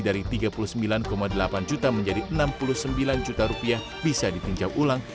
dari tiga puluh sembilan delapan juta menjadi enam puluh sembilan juta rupiah bisa ditinjau ulang